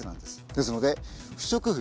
ですので不織布